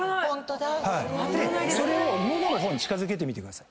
それを喉の方に近づけてみてください。